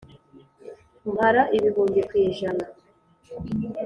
mpara ibihumbi ku ijana.